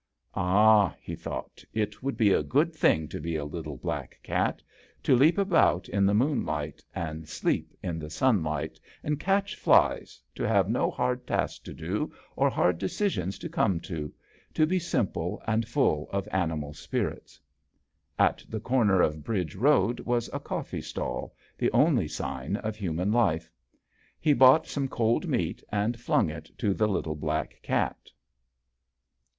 " Ah!" he thought, "it would be a good thing to be a little black cat. To leap about in the moonlight and sleep in the sun 66 JOHN SHERMAN. light, and catch flies, to have no hard tasks to do or hard deci sions to come to, to be simple and full of animal spirits." At the corner of Bridge Road was a coffee stall, the only sign of human life. He bought some cold meat and flung it to the little black cat.